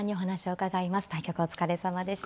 対局お疲れさまでした。